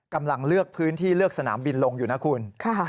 กำลังเลือกพื้นที่เลือกสนามบินลงอยู่นะคุณ